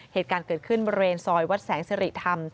เหตุการณ์เกิดขึ้นบริเวณซอยวัดแสงสิริธรรม